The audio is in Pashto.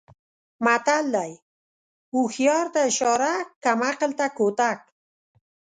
متل دی: هوښیار ته اشاره کم عقل ته کوتک.